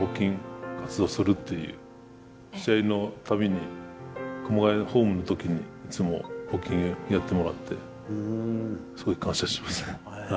試合の度に熊谷のホームの時にいつも募金やってもらってすごい感謝してます。